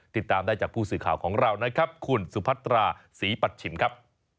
ติดตามได้จากผู้สื่อข่าวของเรานะครับคุณสุพัตราศรีปัชชิมครับ